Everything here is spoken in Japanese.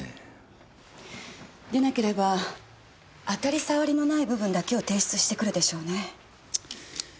でなければ当たり障りのない部分だけを提出してくるでしょうね。